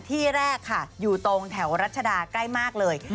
ที่แรกค่ะอยู่ตรงแถวรัชดาใกล้มากเลย